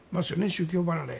宗教離れ。